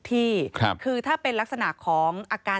พบหน้าลูกแบบเป็นร่างไร้วิญญาณ